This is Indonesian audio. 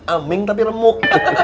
aming tapi remuk